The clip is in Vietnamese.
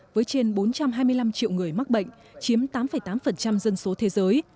với trên bốn trăm hai mươi năm triệu người mắc bệnh chiếm tám tám dân số thế giới